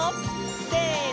せの！